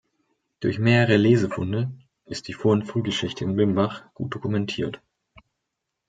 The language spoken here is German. Durch mehrere Lesefunde ist die Vor- und Frühgeschichte in Bimbach gut dokumentiert.